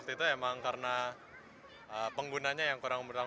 terus dianya juga ada